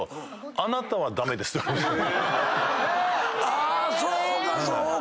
あそうかそうか。